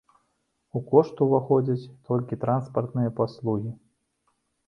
У кошт уваходзяць толькі транспартныя паслугі.